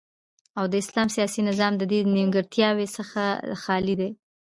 او د اسلام سیاسی نظام ددی نیمګړتیاو څخه خالی دی